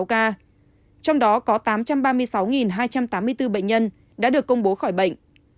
trong đó có tám trăm ba mươi sáu hai trăm tám mươi bốn bệnh nhân đã được công bố khỏi bệnh